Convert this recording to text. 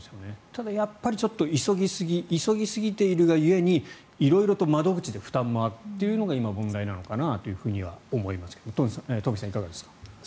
ただ、ちょっと急ぎすぎているが故に色々と窓口で負担もあるというのが今、問題なのかなとは思いますが東輝さんいかがですか。